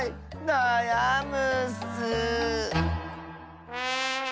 なやむッス。